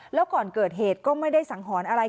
แล้วก่อนเกิดเหตุก็ไม่ได้สังหรณ์อะไร